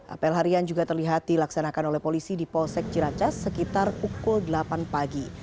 apel harian juga terlihat dilaksanakan oleh polisi di polsek ciracas sekitar pukul delapan pagi